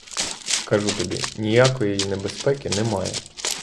Кажу тобі: ніякої небезпеки немає.